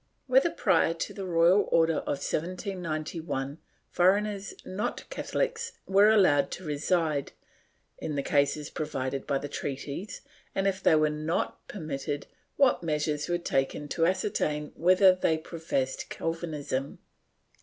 Whether, prior to the royal order of 1791, foreigners not Catholics were allowed to reside, in the cases provided by the treaties and, if they were not per mitted, what measures were taken to ascertain whether they professed Calvinism